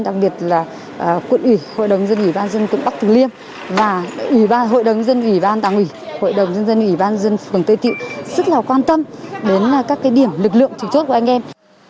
đặc biệt là quận ủy hội đồng dân ủy ban dân quận bắc tử liêm và hội đồng dân ủy ban tàng ủy hội đồng dân ủy ban dân phường tây tịu rất là quan tâm đến các cái điểm lực lượng trực chốt của anh em